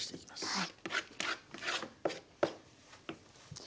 はい。